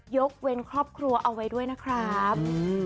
ยกเว้นครอบครัวเอาไว้ด้วยนะครับ